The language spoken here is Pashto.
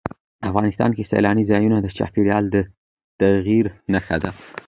افغانستان کې سیلانی ځایونه د چاپېریال د تغیر نښه ده.